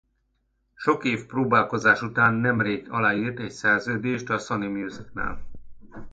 Sok év próbálkozás után nem rég aláírt egy szerződést a Sony Music-nál.